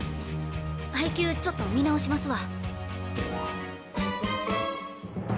配球ちょっと見直しますわ。